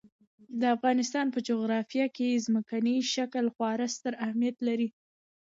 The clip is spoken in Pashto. د افغانستان په جغرافیه کې ځمکنی شکل خورا ستر اهمیت لري.